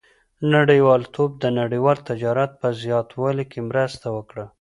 • نړیوالتوب د نړیوال تجارت په زیاتوالي کې مرسته وکړه.